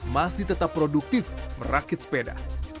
masih tetap produktif merakit sepeda